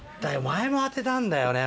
前も当てたんだよね